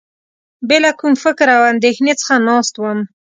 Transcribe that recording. بې له کوم فکر او اندېښنې څخه ناست وم.